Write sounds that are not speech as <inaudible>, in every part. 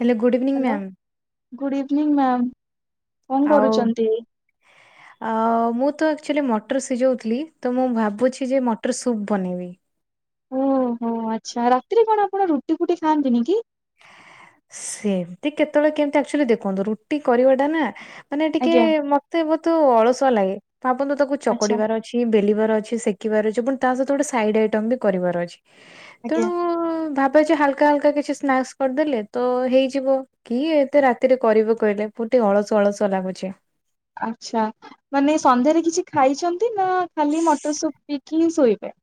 Hello good evening ma'am. Good evening ma'am କଣ କରୁଛନ୍ତି? ଅ ମୁଁ ତ ଆଚୁଲି ମଟର ସିଝଉଥିଲି ତ ମୁଁ ଭାବୁଛି ଯେ ମଟର ସୁପ୍ ବନେଇବି। ଓହୋ ଆଚ୍ଛା ରାତିରେ କଣ ଆପଣ ରୁଟି ଫୁଟି ଖାଆନ୍ତିନି କି? ସେମତି କେତେବେଳେ କେମତି ଆଚୁଆଲି ଦେଖନ୍ତୁ ରୁଟି କରିବା ଟା ନା ମାନେ ଟିକେ ଆଜ୍ଞା ତେ ବହୁତ ଅଳସୁଆ ଲାଗେ ଭାବନ୍ତୁ ତାକୁ ଆଚ୍ଛା ଚକଡିବାର ଅଛି ବେଲିବାର ଅଛି ସେକିବାର ଅଛି ପୁଣି ତା ସହିତ ଗୋଟେ ସାଇଡ ଆଇଟମ ବି କରିବାର ଅଛି। ଆଜ୍ଞା ତେଣୁ ଭାବେ ଯେ ହାଲକା ହାଲକା କିଛି ସ୍ନାକ୍ସ କରିଦେଲେ। ତ ହେଇଯିବ କି ଏତେ ରାତିରେ କରିବ କହିଲେ ପୋ ଟିକେ ଅଳସ ଅଳସ ଲାଗୁଛି। ଆଚ୍ଛା ମାନେ ସନ୍ଧ୍ୟାରେ କିଛି ଖାଇଛନ୍ତି ନା ଖାଲି ମଟର ସୁପ ପିକି ହିଁ ଶୋଇବେ।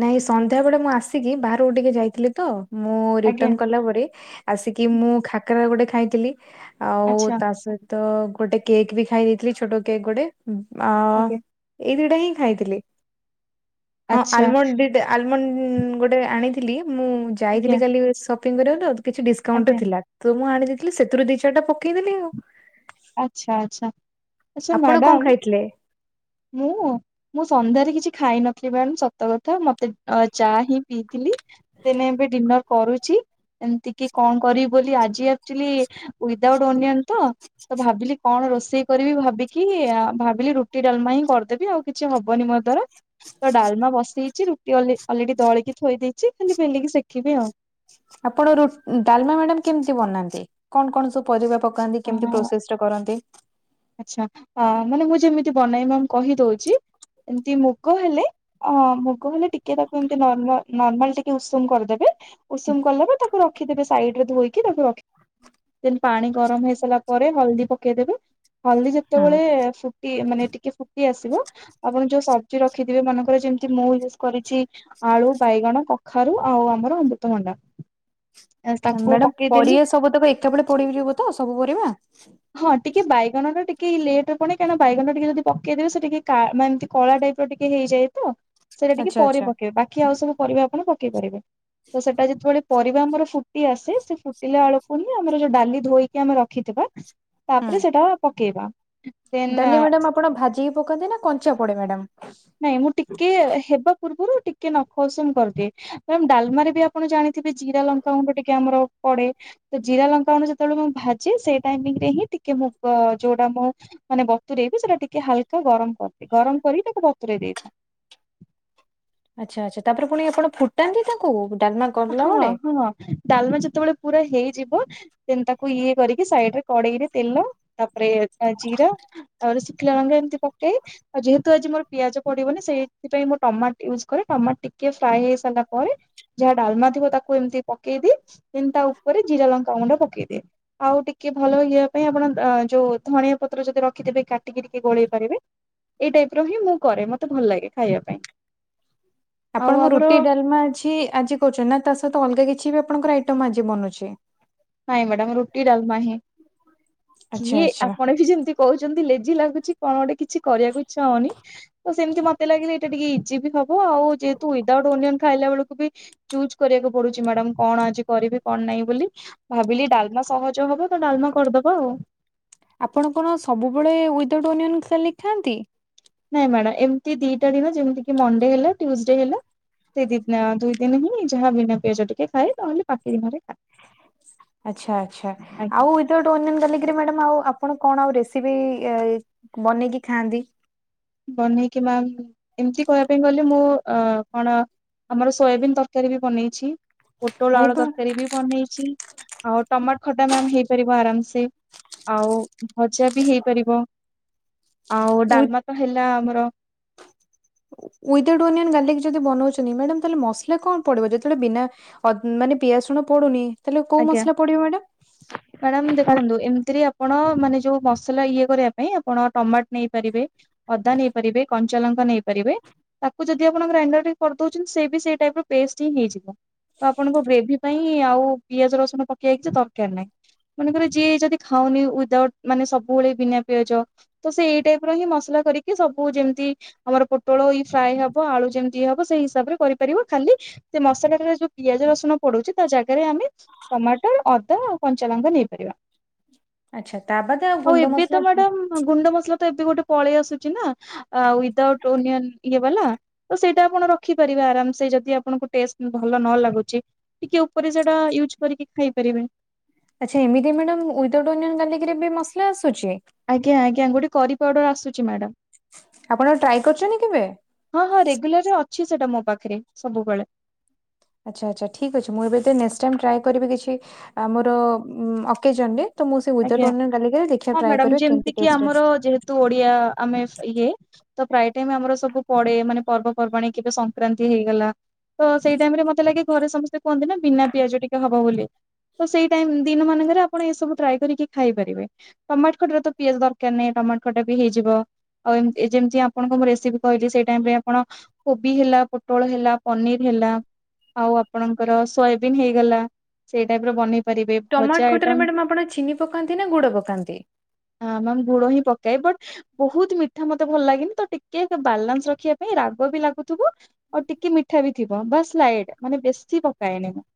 ନାଇଁ ସନ୍ଧ୍ୟା ବେଳେ ମୁଁ ଆସିକି ବାହହାରକୁ ଟିକେ ଯାଇଥିଲି ତ ମୁଁ ଆଜ୍ଞା ରିଟର୍ଣ କଲା ପରେ। ଆସିକି ମୁଁ ଖାକରା ଗୋଟେ ଖାଇଥିଲି ଆଉ ଆଚ୍ଛା ତା ସହି ତ ଗୋଟେ କେକ୍ ବି ଖାଇ ଦେଇେଇଥିଲି ଛୋଟ କେକ୍ ଗୋଟେ ଆ। ଆଜ୍ଞା ଏଇ ଦିଇଟା ହିଁ ଖାଇଥିଲି। ହଁ ଆଚ୍ଛା ଆଲମଣ୍ଡ ଦୁଇଟା ଆଲମଣ୍ଡ ଗୋଟେ ଆଣିଥିଲି ମୁଁ ଯାଇଥିଲି ଆଜ୍ଞା କାଲି ସପିଙ୍ଗ କରିବାକୁ ତ କିଛି ଡିସକାଉଣ୍ଟ ଆଜ୍ଞା ଥିଲା ତ ମୁଁ ଆଣି ଦେଇେଇଥିଲି ସେଥିରୁ ଦୁି ଚାରିଟା ପକେଇଦେଲି ଆଉ। ଆଚ୍ଛା ଆଚ୍ଛା ଆଚଛା ଆପଣ କଣ ମ୍ୟାଡ଼ାମ ଖାଇଥିଲେ ମୁଁ। ମୁଁ ସନ୍ଧ୍ୟାରେ କିଛି ଖାଇ ନଥିଲି ମ୍ୟାଡ ସତ କଥା ମତେ ଚା ହିଁ ପିଇଥିଲି। ଦିନେ ଏବେ ଡିନର କରୁଛି। ଏମତି କି କଣ କରିବି ବୋଲି ଆଜି ଆଚୁଲି ଉଈଦାଉଟ୍ ଅନିଅନ ତ। ତ ଭାବିଲି କଣ ରୋଷେଇ। କରିବି ଭାବିକି ଭାବିଲି ରୁଟି ଡାଲମା ହିଁ କରିଦେବି ଆଉ କିଛି ହବନି ମୋ ଦ୍ୱାରା। ତ ଡାଲମା ବସେଇଛି ରୁଟି ଅଲରେଡି ଦଳିକି ଥୋଇ ଦେଇଛି ଖାଲି ବେଲିକି ଶିଖିବି ଆଉ। ଆପଣ ଡାଲମା ମ୍ୟାଡାମ କେମିତି ବନାନ୍ତି କଣ କଣ ସବୁ ପରିବା। ପନ୍ତି କେମିତି ପ୍ରୋସେସ ଟା କରନ୍ତି। ଆ୍ଛ ମାନେ ମୁଁ ଯେମିତି ବନେଇ ମ କହିଦଉଛି ଏମତି ମୁଗ ହେଲେ। ଅ- ମୁଗ ହେଲେ ଟିକେ ତାକୁ ଏମତି ନ- ନ-ନର୍ମାଲ୍ ଟିକେ ଉଷୁମ୍ କରିଦେବେ ଉଷୁମ୍ କଲେବି ତାକୁ ରଖିଦେବେ ସାଇଡ୍ ରେ ଧୋଇକି ତାକୁ ରଖି ପାଣି ଗରମ ହେଇ ସାରିଲା ପରେ ହଳଦୀ ପକେଇଦେବେ ହଳଦୀ ହୁଁ। ଯେତେବେଳେ ମାନେ ଟିକେ ଫୁଟି ଆସିବ ଆପଣ ଯୋଉ ସବ୍ଜି ରଖିଥିବେ ମନେକର ଯେମତି ମୁଁ ୟୁଜ୍ କରିଚି ଆଳୁ ବାଇଗଣ କଖାରୁ ଆଉ ଆମର ଅମୃତମଣ୍ଡା। ତାକୁ ମ୍ୟାଡାମ ପରିବା ପକେଇଦେଲି ସବୁତକ ଏକା ବଳେ ପଡିଯିବ ତ ସବୁ ପରିବା? ହଁ ଟିକେ ବାଇଗଣ ଟା ଟିକେ ଲେଟ୍ ରେ ପଡେ କାହିଁକି ନା ବାଇଗଣ ଟିକେ ଯଦି ପକେଇଦେବେ ସେ ଟିକେ କା-ମାନେ ଏମ୍ ତି କଳା ଟାଇପ୍ ର ଟିକେ ହେଇଯାଏ ତ। ସେଇଟା ଟିକେ ଆଚ୍ଛା ପରେ ଆଚ୍ଛା। ପକେଇବେ ବାକି ଆଉ ସବୁ ପରିବା ଆପଣ ପକେଇ ପାରିବେ ତ ସେଟା ଯେତେବେଳେ ପରିବା ଆମର ଫୁଟି ଆସେ ସେ ଫୁଟିଲା ବଳକୁ ହିଁ ଆମର ଯୋଉ ଡାଲି ଧୋଇକି ଆମେ ରଖିଥିବା ହୁଁ। ତାପରେ ସେଟା ପକେଇବା। ଡାଲି ଦେନ୍ ମ୍ୟାଡାମ୍ ଆପଣ ଭାଜି କି ପକାନ୍ତି ନା କଞ୍ଚା ପଡେ ମ୍ୟାଡାମ୍? ନାଇଁ ମୁଁ ଟିକେ ହେବା ପୂର୍ବରୁ ଟିକେ ନଖ ଉଷୁମ୍ କରିଦିଏ। ମାମ୍ ଡାଲ୍ମା ରେ ବି ଆପଣ ଜାଣିଥିବେ ଜିରା ଲଙ୍କା ଗୁଣ୍ଡ ଟିକେ ଆମର ପଡେ ତ ଜିରା ଲଙ୍କାଗୁଣ୍ଡ ଯେତେବେଳେ ମୁଁ ଭାଜେ ସେ ଟାଇମ୍ ରେ ହିଁ ଟିକେ ମୁଗ ଯୋଉଟା ମୁଁ ମାନେ ବତୁରେଇ ବି ସେଟା ଟିକେ ହାଲକା ଗରମ୍ କରିଦିଏ ଗରମ କରିକି ତାକୁ ବତୁରେଇ ଦେଇଥାଏ। ଆଚ୍ଛା ଆଚ୍ଛା ତାପରେ ପୁଣି ଆପଣ ଫୁଟାନ୍ତି ତାକୁ ଡାଲ୍ମା କୁ? ହଁ -ହଁ ଡାଲମା ଯେତେବେଳେ ପୁରା ହେଇଯିବ ଦେନ୍ ତାକୁ ଇଏ କରିକି ସାଇଡ୍ ରେ କଡେଇରେ ତେଲ ତାପରେ ଜିରା ତାପରେ ଶୁଖିଲା ଲଙ୍କା ଏମିତି ପକେଇ ଆଉ ଯେହେତୁ ଆଜି ମୋର ପିଆଜ ପଡିବନି ସେଇଥିପାଇଁ ମୁଁ ଟମାଟ୍ ୟୁଜ୍ କରେ ଟମାଟ୍ ଟିକେ ଫ୍ରାଏ ହେଇ ସାରିଲା ପରେ ଯାହା ଡାଲମା ଥିବ ତାକୁ ଏମିତି ପକେଇଦିଏ ଦେନ୍ ତା ଉପରେ ଜିରା ଲଙ୍କା ଗୁଣ୍ଡ ପକେଇଦିଏ। ଆଉ ଟିକେ ଭଲ ଇଏ ହବା ପାଇଁ ଆପଣ ଯୋଉ ଧଣିଆ ପତ୍ର ଯଦି ରଖିଥିବେ କାଟିକି ଟିକେ ଗୋଳେଇ ପାରିବେ। ଏଇ ଟାଇପ୍ ର ହିଁ ମୁଁ କରେ ମତେ ଭଲ୍ ଲାଗେ ଖାଇବା ପାଇଁ। ଆଉ ଆପଣଙ୍କର ଆମର ରୁଟି ଡାଲ୍ମା ଅଛି ଆଜି କହୁଚନ୍ତି ନା ତା ସହିତ ଅଲଗା କିଛି ବି ଆପଣଙ୍କର ଆଇଟମ୍ ଆଜି ବନୁଚି? ନାଇଁ ମ୍ୟାଡ଼ାମ୍ ରୁଟି ଡାଲ୍ମା ହିଁ। ଆଚ୍ଛା ଇଏ ଆଚ୍ଛା ଆପଣ ବି ଯେମିତି କହୁଚନ୍ତି ଲେଜି ଲାଗୁଚି କଣ ଗୋଟେ କିଛି କରିବାକୁ ଇଚ୍ଛା ହଉନି। ତ ସେମିତି ମତେ ଲାଗିଲା ଏଇଟା ଟିକେ ଇଜି ବି ହବ ଆଉ ଯେହେତୁ ୱିଦାଉଟ୍ ଓନିଅନ୍ ଖାଇଲା ବେଳକୁ ବି ଚୁଜ୍ କରିବାକୁ ପଡୁଚି ମ୍ୟାଡାମ୍ କଣ ଆଜି କରିବି କଣ ନାହିଁ ବୋଲି ଭାବିଲି ଡାଲ୍ ମା ସହଜ ହବ ତ ଡାଲ୍ମା କରିଦବା ଆଉ। ଆପଣ କଣ ସବୁବେଳେ ୱିଦାଉଟ୍ ଓନିଅନ୍ ଗାର୍ଲିକ୍ ଖାନ୍ତି? ନାଇଁ ମ୍ୟାଡ଼ାମ୍ ଏମିତି ଦିଟା ଦିନ ଯେମିତି କିି ମଣ୍ଡେ ହେଲା ଟ୍ୟୁଜଡେ ହେଲା। ସେ ଦିନ୍- ଦୁଇ ଦିନ ହିଁ ଯାହା ବିନା ପିଆଜ ଟିକେ ଖାଏ ନହେଲେ ବାକି ଦିନରେ ଖାଏ। ଆଚ୍ଛା ଆଚ୍ଛା। ଆଉ ୱିଦାଉଟ୍ ଓନିଅନ୍, ଗାର୍ଲିକ୍ ରେ ମ୍ୟାଡ଼ାମ୍ ଆଉ ଆପଣ କଣ ଆଉ ରେସିପି ଏଇ ବନେଇକି ଖାଆନ୍ତି? ବନେଇକି ମ୍ୟାାମ୍ ଏମିତି କହିବା ପାଇଁ ଗଲେ ମୁଁ ଅ- କଣ ଆମର ସୋୟାବିନ୍ ତରକାରୀ ବି ବନେଇଚି ପୋଟଳ ଆଳୁ ଖାଇବା ତରକାରୀ ବି ବନେଇଚି ଆଉ ଟମାଟ୍ ଖଟା ମ୍ୟାମ୍ ହେଇପାରିବ ଆରାମ୍ ସେ। ଆଉ ଭଜା ବି ହେଇପାରିବ ଆଉ ୱି ଡାଲ୍ମା ତ ହେଲା ଆମର। ୱିଦାଉଟ୍ ଓନିଅନ୍, ଗାର୍ଲିକ ଯଦି ବନଉଚନ୍ତି ମ୍ୟାଡ଼ାମ୍ ତାହେଲେ ମସଲା କଣ ପଡ଼ିବ ଯେତେବେଳେ ବିନା ଅ ମାନେ ପିଆଜ, ରସୁଣ ପଡୁନି ତାହେଲେ କୋଉ ଆଜ୍ଞା। ମସଲା ପଡିବ ମ୍ୟାଡାମ୍? <unintelligible> ଏମିତି ରେ ଆପ୍ ଆପଣ ମାନେ ଯୋଉ ମସଲା ଇଏ କରିବା ପାଇଁ ଆପଣ ଟମାଟ୍ ନେଇପାରିବେ ଅଦା ନେଇପାରିବେ କଞ୍ଚାଲଙ୍କା ନେଇପାରିବେ ତାକୁ ଯଦି ଆପଣ ଗ୍ରାଇଣ୍ଡର ରେ କରିଦଉଚନ୍ତି ସେ ବି ସେଇ ଟାଇପ୍ ର ପେଷ୍ଟ୍ ହିଁ ହେଇଯିବ। ତ ଆପଣଙ୍କ ଗ୍ରେଭି ପାଇଁ ଆଉ ପିଆଜ ରସୁଣ ପକେଇବା କିଛି ଦରକାର୍ ନାହିଁ। ମନେକର ଯିଏ ଯଦି ଖାଉନି ୱିଦାଉଟ୍ ମାନେ ସବୁବେଳେ ବିନା ପିଆଜ ତ ସେ ଏଇ ଟାଇପ୍ ର ହିଁ ମସଲା କରିକି ସବୁ ଯେମିତି ଆମର ପୋଟଳ ଇ ଫ୍ରାଏ ହବ ଆଳୁ ଯେମିତି ହବ ସେଇ ହିସାବରେ କରିପାରିବ ଖାଲି ସେ ମସଲାଟାରେ ଯୋଉ ପିଆଜ ରସୁଣ ପଡୁଚି ତା ଜାଗାରେ ଆମେ ଟମାଟ ଅଦା ଆଉ କଞ୍ଚା ଲଙ୍କା ନେଇପାରିବା। ଆଚ୍ଛା ତା ବାଦ ଆଉ ଗୁଣ୍ଡ ମସଲା ଯା ହଁ ଗୁଣ୍ଡ ମସଲା ତ ଏବେ ଗୋଟେ ପଳେଇ ଆସୁଚି ନା ଆଉ ଉଇଡାଉଟ ଓନିଅନ ଇଏ ବାଲା। ତ ସେଇଟା ଆପଣ ରଖିପାରିବେ ଆରାମ ସେ ଯଦି ଆପଣଙ୍କୁ ଟେଷ୍ଟ ଭଲ ନ ଲାଗୁଚି। ଟିକେ ଉପରେ ସେଟା ୟୁଜ୍ କରିକି ଖାଇ ପାରିବେ। ଆଚ୍ଛା ଏମିତି ମାଡାମ ଉଇଡାଉଟ ଓନିଅନ ଗାଲିକିରେ ବି ମସଲା ଆସୁଚି। ଆଜ୍ଞା ଆଜ୍ଞା ଗୋଟେ କରି ପାଉଡର ଆସୁଚି ମାଡାମ। ଆପଣ ଟ୍ରାଏ କରିଚନ୍ତି କେବେ। ହଁ ହଁ ରେଗୁଲାର ରେ ଅଛି ସେଟା ମୋ ପାଖରେ ସବୁବେଳେ। ଆଚ୍ଛା ଆଚ୍ଛା ଠିକ୍ ଅଛି ମୁଁ ଏବେ ତ ନେକ୍ସ ଟାଇମ ଟ୍ରାଏ କରିବି କିଛି ଆମର ଉଁ ଅକେଜନ ରେ। ତ ମୁଁ ସେ ଆଜ୍ଞା ଉଇଡାଉଟ ଓନିଅନ ଗାର୍ଲିକ ରେ ଦେଖିଆ ଟ୍ରାଏ କରେ କେମତି ଟେଷ୍ଟ ହୁଏ। ତୁ ଓଡିଆ ଆମେ ଇଏ ତ ପ୍ରାୟ ଟାଇମ ଆମର ସବୁ ପଡେ ମାନେ ପର୍ବପର୍ବାଣି କେବେ ସଂକ୍ରାନ୍ତି ହେଇଗଲା। ତ ସେଇ ଟାଇମ ରେ ମତେ ଲାଗେ ଘରେ ସମସ୍ତେ କୁହନ୍ତି ନା ବିନା ପିଆଜ ଟିକେ ହବ ବୋଲି। ତ ସେଇ ଟାଇମ୍ ଦିନ ମାନଙ୍କରେ ଆପଣ ଏ ସବୁ ଟ୍ରାଏ କରିକି ଖାଇପାରିବେ। ଟମାଟ ଖଟା ରେ ତ ପିଆଜ ଦରକାର ନାହିଁ ଟମାଟ ଖଟା ବି ହେଇଯିବ। ଆଉ ଏମ ଯେମତି ଆପଣଙ୍କଁ ରେସିପି କହିଲି ସେଇ ଟାଇମ ରେ ଆପଣ କୋବି ହେଲା ପୋଟଳ ହେଲା ପନିର ହେଲା। ଆଉ ଆପଣଙ୍କର ସୋୟାବିନ୍ ହେଇଗଲା ସେଇ ଟାଇପ ର ବନେଇ ପାରିବେ ଭଜା ଟମାଟ ଖଟାରେ ଆଇଟମ ମାଡାମ୍ ଆପଣ ଚିନି ପକାନ୍ତି ନା ଗୁଡ଼ ପକାନ୍ତି? ହଁ ମ୍ୟାମ୍ ଗୁଡ ହିଁ ପକାଏ ବଟ ବହୁତ ମିଠା ମତେ ଭଲ ଲାଗେନି ତ ଟିକେ ବାଲାନ୍ସ ରଖିବା ପାଇଁ ରାଗ ବି ଲାଗୁଥିବ। ଆଉ ଟିକେ ମିଠା ବି ଥିବ ବାସ୍ ସ୍ଲାଏଡ଼ ମାନେ ବେଶୀ ପକାଏନି ମୁଁ।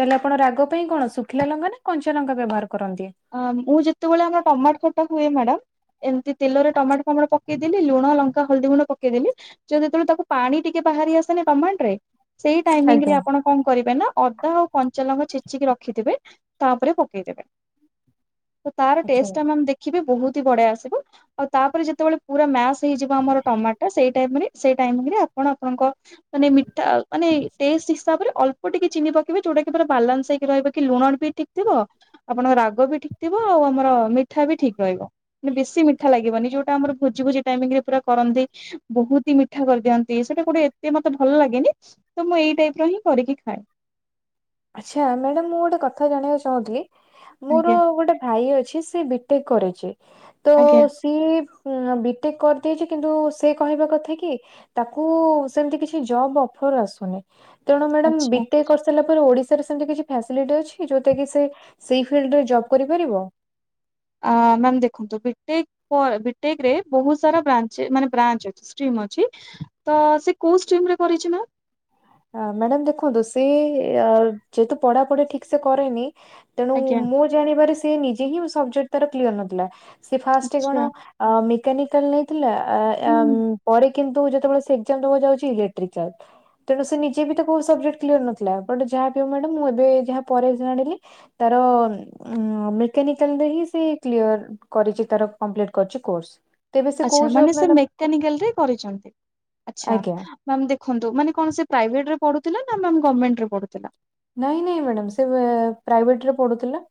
ତାହେଲେ ଆପଣ ରାଗ ପାଇଁ କଣ ଶୁଖିଲା ଲଙ୍କା ନା କଞ୍ଚା ଲଙ୍କା ବ୍ୟବହାର କରନ୍ତି। ଆଁ ମୁଁ ଯେତବଳେ ଆମର ଟମାଟ ଖଟା ହୁଏ ମାଡାମ। ଏମତି ତେଲରେ ଟମାଟ ଫମାଟ ପକେଇଦେଲି ଲୁଣ ଲଙ୍କା ହଳଦୀ ଗୁଣ୍ଡ ପକେଇଦେଲି। ଯଉ ଯେତବଳେ ତାକୁ ପାଣି ଟିକେ ବାହାରି ଆସେନା ଟମାଟ ରେ ସେଇ ଟାଇମିଙ୍ଗ ଆଜ୍ଞା ରେ ଆପଣ କଣ କରିବେ ନା ଅଦା ଆଉ କଞ୍ଚା ଲଙ୍କା ଛେଚିକି ରଖିଥିବେ ତା ଉପରେ ପକେଇଦବେ। ତ ତାର ଆଚ୍ଛା ଟେଷ୍ଟ ଟା ମ୍ୟାମ ଦେଖିବେ ବହୁତ ହି ବଢିଆ ଆସିବ। ଆଉ ତାପରେ ଯେତବଳେ ପୁରା ମାସ ହେଇଯିବ ଆମର ଟମାଟ ସେଇ ଟାଇମରେ ସେ ଟାଇମରେ ଆପଣ ଆପଣଙ୍କ ମାନେ ମିଠା ମାନେ ଟେଷ୍ଟ ହିସାବରେ ଅଳ୍ପ ଟିକେ ଚିନି ପକେଇବେ ଯୋଉଟା କି ତାର ବାଲାନ୍ସ ହେଇକି ରହିବ କି ଲୁଣ ବି ଠିକ ଥିବ। ଆପଣଙ୍କ ରାଗ ବି ଠିକ୍ ଥିବ ଆଉ ଆମର ମିଠା ବି ଠିକ ରହିବ। ବେଶୀ ମିଠା ଲାଗିବନି ଯୋଉଟା ଆମର ଭୋଜି ଭୋଜି ଟାଇମିଙ୍ଗ ରେ ପୁରା କରନ୍ତି। ବହୁତ ହି ମିଠା କରିଦିଅନ୍ତି ସେଇଟା ଗୋଟେ ଏତେ ମତେ ଭଲ ଲାଗେନି। ତ ମୁଁ ଏଇ ଟାଇପ ର ହିଁ କରିକି ଖାଏ। ଆଚ୍ଛା ମ୍ୟାଡାମ ମୁଁ ଗୋଟେ କଥା ଜାଣିବାକୁ ଚାହୁଁଥିଲି ମୋର ଆଜ୍ଞା ଗୋଟେ ଭାଇ ଅଛି ସେ ବିଟେକ କରୁଚି ତ ଆଜ୍ଞା ସିଏ ମ୍ ବିଟେକ୍ କରିଦେଇଚି କିନ୍ତୁ ସେ କହିବା କଥା କି ତାକୁ ସେମିତି କିଛି ଜବ ଅଫର ଆସୁନି ତେଣୁ ମ୍ୟାଡାମ ଆଚ୍ଛା। ବିଟେକ କରିସାରିଲା ପରେ ଓଡିସ ସା ରେ ସେମିତି କିଛି ଫ୍ୟାସିଲିଟି ଅଛି ଯଉଟାକି ସେ ସେଇ ଫିଲ୍ଡରେ ଜବ କରିପାରିବ? ଆ ମ୍ୟାାମ ଦେଖନ୍ତୁ ବିଟେକ ପ ବିଟେକ ରେ ବହୁତ ସାରା ବ୍ରାଞ୍ଚେ ମାନେ ବ୍ରାଞ୍ଚ ଅଛି। ଷ୍ଟ୍ରିମ ଅଛି ତ ସେ କୋଉ ଷ୍ଟ୍ରିମ ରେ କରିଚି ମ୍ୟାମ? ଆ ମ୍ୟାଡାମ ଦେଖନ୍ତୁ ସେ ଅ ଯେହେତୁ ପଢାପଢି ଠିକ ସେ କରେନି ତେଣୁ ଆଜ୍ଞା ମୁଁ ଜାଣିବାରେ ସେ ନିଜେ ହିଁ ସବଜେକ୍ଟ ତାର କ୍ଳିଅର ନଥିଲା ସେ ଫାଷ୍ଟେ ଆଚ୍ଛା କଣ ଆ ମେକାନିକାଲ ନେଇଥିଲା ଆ ଆ ହୁଁ ମ୍ ପରେ କିନ୍ତୁ ଯେତେବେଳେ ସେ ଏକ୍ଜାମ ଦବାକୁ ଯାଉଚି ଇଲେଟ୍ରିକାଲ। ତେଣୁ ସେ ନିଜେ ବି ତ କୋଉ ସବଜେକ୍ଟ କ୍ଳିଅର ନଥିଲା ବଟ ଯାହା ବି ହଉ ମାଡାମ ମୁଁ ଏବେ ଯାହା ପରେ ଯାଣିଲି ତାର ଉଁ ମେକାନିକାଲରେ ହିଁ ସେ କ୍ଳିଅର କରିଚି ତାର କମ୍ପ୍ଲିଟ କରିଚି କୋର୍ଷ। ଆଚ୍ଛା ମାନେ ସେ ମେକାନିକାଲ ରେ କରିଚନ୍ତି ଆଚ୍ଛା। ଆଜ୍ଞା ମ୍ୟାମ୍ ଦେଖନ୍ତୁ ମାନେ କଣ ସେ ପ୍ରାଇଭେଟ ରେ ପଢୁଥିଲା ନା ମ୍ୟାମ ଗମେଣ୍ଟରେ ପଢୁଥିଲା? ନାହିଁ ନାହିଁ ମ୍ୟାଡ଼ାମ ସେ ପ୍ରାଇଭେଟରେ ପଢୁଥିଲା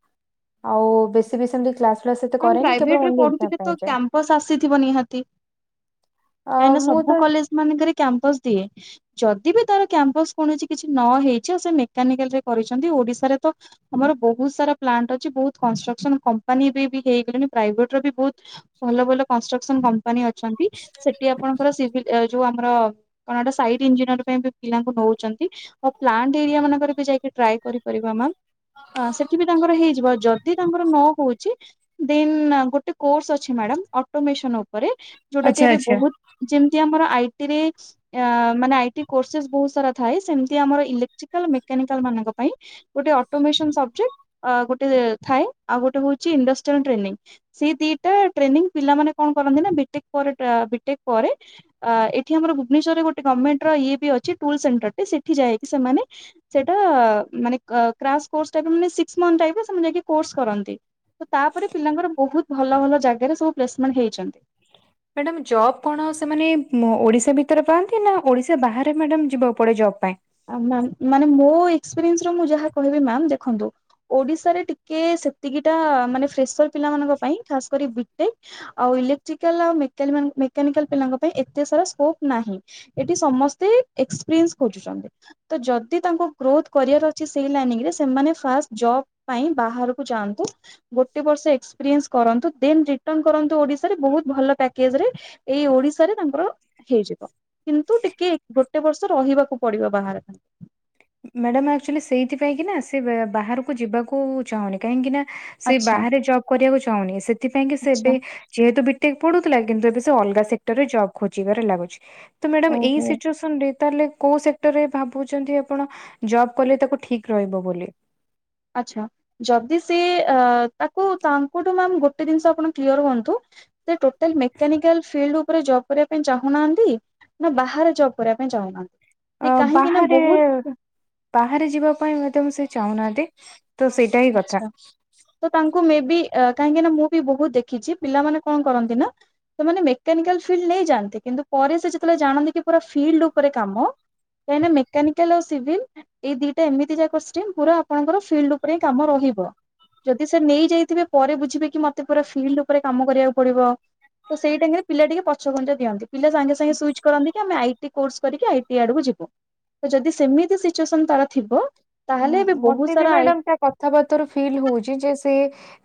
ଆଉ ବେଶୀ ବି ସେମିତି କ୍ଲାସ୍ କ୍ଲାସ୍ ସେତ ମ୍ୟାମ୍ କରନି ପ୍ରାଇଭେଟ କେବଳ ରେ ଓନଲି ଏକ୍ଜାମ୍ ପଢୁଥିଲେ ପାଇଁ ତ ଯାଏ। କ୍ୟାମ୍ପସ ଆସିଥିବ ନିହାତି। ଅ ମୁଁ ତା ମାନେଙ୍କରେ କ୍ୟାମ୍ପସ ଦିଏ ଯଦି ବି ତାର କ୍ୟାମ୍ପସ କୌଣସି କିଛି ନ ହେଇଚି ଆଉ ସେ ମେକାନିକାଲରେ କରିଚନ୍ତି ଓଡ଼ିଶାରେ ତ ଆମର ବହୁତ ସାରା ପ୍ଲାଣ୍ଟ ଅଛି ବହୁତ କଂଷ୍ଟ୍ରକ୍ସନ କମ୍ପାନୀ ବି ବି ହେଇଗଲେଣି ପ୍ରାଇଭେଟରେ ବି ବହୁତ ଭଲ ଭଲ କନଷ୍ଟ୍ରକ୍ସନ କମ୍ପାନୀ ଅଛନ୍ତି ସେଠି ଆପଣଙ୍କର ସିଭିଲ ଏ ଯୋଉ ଆମର କଣ ଏଟା ସାଇଡ ଇଞ୍ଜିନିୟର ପାଇଁ ବି ପିଲାଙ୍କୁ ନଉଚନ୍ତି। ଆଉ ପ୍ଲାଣ୍ଟ ଏରିଆ ମାନଙ୍କରେ ଯାଇକି ଟ୍ରାଏ କରିପାରିବା ମ୍ୟାମ୍। ଅ ସେଠି ବି ତାଙ୍କର ହେଇଯିବ ଯଦି ତାଙ୍କର ନ ହଉଚି ଦେନ ଅ ଗୋଟେ କୋର୍ଷ ଅଛି ମ୍ୟାଡ଼ାମ ଅଟୋମେସନ ଉପରେ ଯୋଉଟା କି ଆଚ୍ଛା ଏବେ ଆଚ୍ଛା ବହୁତ ଯେମିତି ଆମର ଆଇଟି ରେ ୟା ମାନେ ଆଇଟି କୋର୍ଷେସେ ବହୁତ ସାରା ଥାଏ ସେମିତି ଆମର ଇଲେକ୍ଟ୍ରିକାଲ ମେକାନିକାଲ ମାନଙ୍କ ପାଇଁ ଗୋଟେ ଅଟୋମେସନ ସବଜେକ୍ଟ ଅ ଗୋଟେ ଥାଏ ଆଉ ଗୋଟେ ହଉଚି ଇଣ୍ଡଷ୍ଟ୍ ଚନ ଟ୍ରେନିଂ ସେ ଦିଟା ଟ୍ରେନିଂ ପିଲାମାନେ କଣ କରନ୍ତି ନା ବିଟେକ୍ ପରେ ଆ ବିଟେକ୍ ପରେ ଆ ଏଠି ଆମର ଭୁବନେଶ୍ୱରରେ ଗୋଟେ ଗମେଣ୍ଟ ର ଇଏ ବି ଅଛି ଟୁଲ ସେଣ୍ଟରେ ଟେ ସେଠି ଯାଇକି ସେମାନେ ସେଟା ଅ ମାନେ କା କ୍ରାସ୍ ପୋର୍ସ ଟାଇପ ର ମାନେ ସିକ୍ସି ମଂଥ ଟାଇପ ର ସେମାନେ ଯାଇକି କୋର୍ସ୍ କରନ୍ତି। ତ ତାପରେ ପିଲାଙ୍କର ବହୁତ ଭଲ ଭଲ ଜାଗାରେ ସବୁ ପ୍ଲେସମେଣ୍ଟ ହେଇଚନ୍ତି। ମ୍ୟାଡ଼ାମ ଜବ କଣ ସେମାନେ ଓଡ଼ିଶା ଭିତରେ ପାଆନ୍ତି ନା ଓଡ଼ିଶା ବାହାରେ ମ୍ୟାଡ଼ାମ ଯିବାକୁ ପଡ଼େ ଜବ ପାଇଁ? ଆ ମ୍ୟାମ ମାନେ ମୋ ଏକ୍ସପେରିଏନ୍ସରୁ ମୁଁ ଯାହା କହିବି ମ୍ୟାମ ଦେଖନ୍ତୁ ଓଡ଼ିଶାରେ ଟିକେ ସେତିକିଟା ମାନେ ଫ୍ରେସର ପିଲାମାନଙ୍କ ପାଇଁ ଖାସ କରି ବି ଟେକ ଆଉ ଇଲେକ୍ଟ୍ରିକାଲ ଆଉ ମେକାଲି ମାନଙ୍କୁ ମେକାନିକାଲ ପିଲାଙ୍କ ପାଇଁ ଏତେ ସାରା ସ୍କୋପ ନାହିଁ। ଏଠି ସମସ୍ତେ ଏକ୍ସପେରିଏନ୍ସ ଖୋଜୁଚନ୍ତି। ତ ଯଦି ତାଙ୍କୁ ଗ୍ରୋଥ କରିବାର ଅଛି ସେଇ ଲାଇନଙ୍ଗ ରେ ସେମାନେ ଫାଷ୍ଟ ଜବ୍ ପାଇଁ ବାହାରକୁ ଯାଆନ୍ତୁ ଗୋଟେ ବର୍ଷ ଏକ୍ସପେରିଏନ୍ସ କରନ୍ତୁ ଦେନ ରିଟନ୍ କରନ୍ତୁ ଓଡ଼ିଶାରେ ବହୁ ଭଲ ପେକେଜ୍ ରେ ଏଇ ଓଡ଼ିଶାରେ ତାଙ୍କର ହେଇଯିବ କିନ୍ତୁ ଟିକେ ଗୋଟେ ବର୍ଷ ରହିବାକୁ ପଡ଼ିବ। ବାହାର ମ୍ୟାଡ଼ାମ୍ ଆକଚୁଲି ସେଇଥିପାଇଁ କି ନା ସେ ବେ ବାହାରକୁ ଯିବାକୁ ଚାହୁଁନି କାହିଁକି ନା ସେ ଆଚ୍ଛା ବାହାରେ ଜବ୍ କରିବାକୁ ଚାହୁଁନି ସେଥିପାଇଁ କି ସେ ଏବେ ଆଚ୍ଛା ଯେହେତୁ ବିଟେକ ପଢୁଥିଲା କିନ୍ତୁ ଏବେ ସେ ଅଲଗା ସେକ୍ଟର ରେ ଜବ ଖୋଜିବାରେ ଲାଗୁଚି। ତ ମ୍ୟାଡ଼ାମ ଏଇ ଓହୋ ସିଚୁଏସନ ରେ ତାହେଲେ କୋଉ ସେକ୍ଟରରେ ଭାବୁଚନ୍ତି ଆପ ଆପଣ ଜବ୍ କଲେ ତାକୁ ଠିକ ରହିବ ବୋଲି। ଆଚ୍ଛା। ଯଦି ସେ ଅ ତାକୁ ତାଙ୍କଠୁ ମ୍ୟାମ ଗୋଟେ ଜିନିଷ ଆପଣ କ୍ଲିୟର ହୁଅନ୍ତୁ ସେ ଟୋଟାଲ ମେକାନିକାଲ୍ ଫିଲ୍ଡ ଉପରେ ଜ ବ୍ କରିବା ପାଇଁ ଚାହୁଁନାହାନ୍ତି ନା ବାହାରେ ଜବ୍ କରିବା ପାଇଁ ଚାହୁଁନାହାନ୍ତି। ସେ ଆ କାହିଁକି ନା ବାହାରେ ବହୁତ ବାହାରେ ଯିବା ପାଇଁ <unintelligible> ସେ ଚାହୁଁନାହାନ୍ତି ତ ସେଇଟା ହିଁ କଥା। ଆଚ୍ଛା ତ ତାଙ୍କୁ ମେ ବି ଏ କାହିଁକି ନା ମୁଁ ବି ବୋହୁତ ଦେଖିଚୀ ପିଲାମାନେ କଣ କରନ୍ତି ନା। ସେମାନେ ମେକାନିକାଲ୍ ଫିଲ୍ଡ ନେଇ ଯାଆନ୍ତି କିନ୍ତୁ ପରେ ସେ ଯେତେବେଳେ ଜାଣନ୍ତି କି ପୁରା ଫିଲ୍ଡ ଉପରେ କାମ। କାହିଁକି ନା ମେକାନିକାଲ ଆଉ ସିଭିଲ୍ ଏଇ ଦିଟା ଏମିତି ଯାକ ଷ୍ଟ୍ରିମ୍ ପୁରା ଆପଣଙ୍କର ଫିଲ୍ଡ ଉ ପରେ କାମ ରହିବ। ଯଦି ସେ ନେଇ ଯାଇଥିବେ ପରେ ବୁଝିବେ କି ମତେ ପୁରା ଫିଲ୍ଡ ଉପରେ କାମ କରିବାକୁ ପଡିବ। ତ ସେଇ ଟାଇମରେ ପିଲା ଟିକେ ପଛ ଘୁଞ୍ଚା ଦିଅନ୍ତି। ପିଲା ସାଙ୍ଗେ ସାଙ୍ଗେ ସୁଇଚ୍ କରନ୍ତି କି ଆମେ ଆଇଟି କୋର୍ଷ କରିକି ଆ ଇଟି ଆଡକୁ ଯିବୁ ତ ଯଦି ସେମିତି ସିଚୁଏସନ ତାର ଥିବ ତାହେଲେ ଏବେ ବୋହୁତ ସାରା ଆଇ କଥାବାର୍ତରୁ ଫିଲ୍ ହୋଉଚି, ଯେ ସେ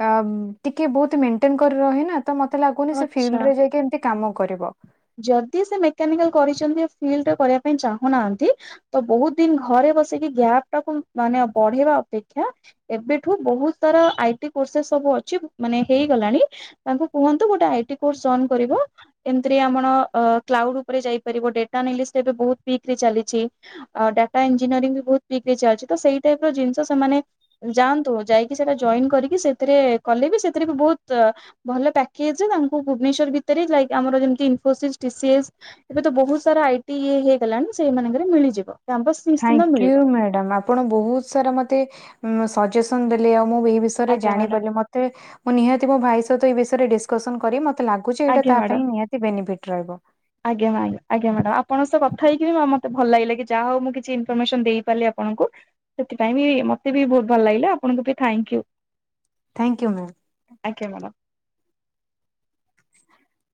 ଆ ଟିକେ ବୋହୁତ ମେଣ୍ଟେନ କରି ରହେନା। ତ ମତେ ଲାଗୁନି ସେ ଫିଲ୍ଡ ଆଚ୍ଛା ରେ ଯାଇକି ଏମିତି କାମ କରିବ। ଯଦି ସେ ମେକାନିକାଲ୍ କରିଛନ୍ତି ଫିଲ୍ଡରେ କରିବା ପାଇଁ ଚାହୁଁନାହାନ୍ତି। ତ ବୋହୁତ ଦିନ ଘରେ ବସିକି ଗ୍ୟାପ୍ ଟାକୁ ମାନେ ବଢେଇବା ଅପେକ୍ଷା ଏବେଠୁ ବୋହୁତ ସାରା ଆଇ ଟି କୋର୍ସେସ ସବୁ ଅଛି ମାନେ ହେଇଗଲାଣି। ତାଙ୍କୁ କୁହନ୍ତୁ ଗୋଟେ ଆଇଟି କୋର୍ସ ଜ‌ଏନ୍ କରିବ। ସେଥିରେ ଆମର କ୍ଲାଉଡ ଉପରେ ଯାଇପାରିବ। ଡେଟାଲିନିସ୍ ରେ ଏବେ ବୋହୁତ ପିକରେ ଚାଲିଚି। ଅ ଡାଟା ଇଞ୍ଜିନିୟରି ବି ବୋହୁତ ପିକ୍ ରେ ଚାଲିଚି। ତ ସେଇ ଟାଇପର ଜିନିଷ ସେମାନେ ଯାଆନ୍ତୁ ଯାଇକି ସେଟା ଜଏନ କରିକି ସେଥିରେ କଲେ ବି ସେଥିରେ ବି ବୋହୁତ ଭଲ ପ୍ୟାକେଜ ତାଙ୍କୁ ଭୁବନେଶ୍ୱର୍ ଭିତରେ ଯାଇ ଆମର ଯୋଉଁ ଇନ୍ଫୋସିସ ଟିସିଏସ ଏବେ ତ ବହୁତ ସାରା ଆଇଟି ଇଏ ହେଇଗଲାଣି। ସେଇମାନଙ୍କରେ ମିଳିଯିବ କ୍ୟାମ୍ପସ ନିଶ୍ଚିନ୍ତ ଥ୍ୟାଙ୍କ ମିଳିବ। ୟୁ ମ୍ୟାଡମ୍ ଆପଣ ବୋହୁତ ସାରା ମତେ ସଜେସନ ଦେଲେ ଆଉ ମୁଁ ଏଇ ବିଷ ୟରେ ଆଜ୍ଞା ମ୍ୟାଡ଼ାମ ଜାଣିପାରିଲି। ମତେ ମୁଁ ନିହାତି ମୋ ଭାଇ ସହିତ ଏ ବିଷୟରେ ଡିସକସନ କରି ମ ତେ ଲାଗୁଚି ଏଇଟା ଆଜ୍ଞା ତାହା ପାଇଁ ମ୍ୟାଡ଼ାମ ଏଇଟା ନିହାତି ବେନିଫିଟ ରହିବ। ଆଜ୍ଞା <unintelligible> ଆଜ୍ଞା ମ୍ୟାଡମ ଆପଣଙ୍କ ସହ କଥା ହେଇକି ମ-ମତେ ଭଲ ଲାଗିଲା। କି ଯାହା ହୋଉ ମୁଁ କିଛି ଇନଫର୍ମସନ ଦେଇପାରିଲି ଆ ପଣଙ୍କୁ ସେଥିପାଇଁ ବି ମତେ ବି ବୋହୁତ ଭଲ ଲାଗିଲା। ଆପଣଙ୍କୁ ବି thank you. Thank you ma'am. ଆଜ୍ଞା ମ୍ୟାଡମ୍।